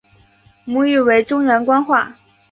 母语为中原官话。